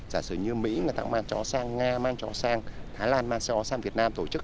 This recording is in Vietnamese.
giả sử như mỹ người ta cũng mang chó sang nga mang chó sang thái lan mang chó sang việt nam tổ chức